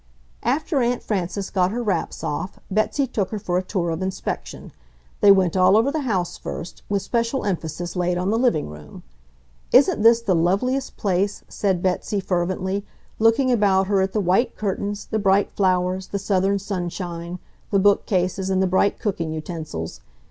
After Aunt Frances got her wraps off, Betsy took her for a tour of inspection. They went all over the house first, with special emphasis laid on the living room. "Isn't this the loveliest place?" said Betsy, fervently, looking about her at the white curtains, the bright flowers, the southern sunshine, the bookcases, and the bright cooking utensils.